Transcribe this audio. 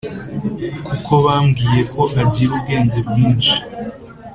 kuko bambwiye ko agira ubwenge bwinshi.